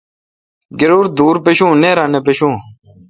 گرور دور پشوں، نییرا نہ پݭوں۔